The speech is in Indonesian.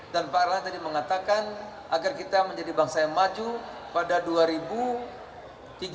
dan pak erlang tadi mengatakan agar kita menjadi bangsa yang maju pada dua ribu tiga puluh lima mendatang